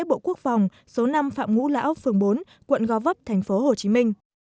bộ quốc phòng số năm phạm ngũ lão phường bốn quận gò vấp tp hcm